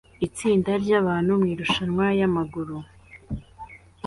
Itsinda ryabantu mumarushanwa yamagare